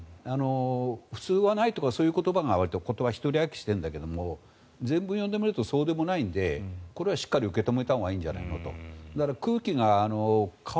普通はないとかそういう言葉が独り歩きしてるんだけど全部読んでみるとそうでもないのでこれはしっかり受け止めたほうがいいんじゃないかと。